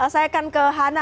saya akan ke hana